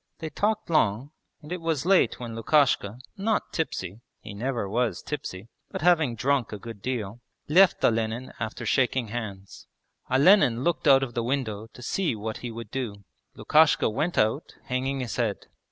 They talked long, and it was late when Lukashka, not tipsy (he never was tipsy) but having drunk a good deal, left Olenin after shaking hands. Olenin looked out of the window to see what he would do. Lukashka went out, hanging his head.